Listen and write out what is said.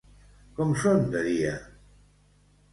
Com són de dia?